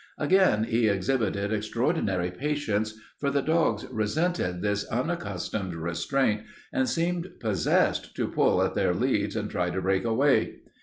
Again he exhibited extraordinary patience, for the dogs resented this unaccustomed restraint and seemed possessed to pull at their leads and try to break away.